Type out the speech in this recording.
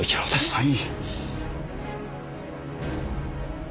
はい。